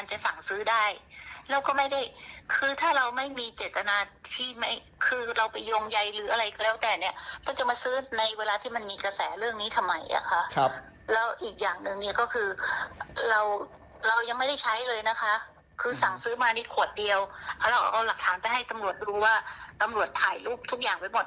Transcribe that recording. หมอนรู้ว่าตำรวจถ่ายรูปทุกอย่างไว้หมด